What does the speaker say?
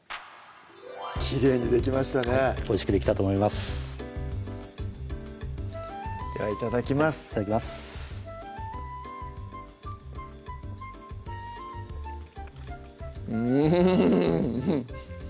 きれいにできましたねおいしくできたと思いますではいただきますいただきますうん！